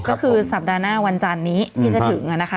ก็คือสัปดาห์หน้าวันจันนี้ที่จะถึงนะคะ